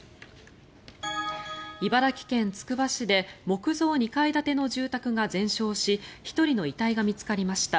茨城県つくば市で木造２階建ての住宅が全焼し１人の遺体が見つかりました。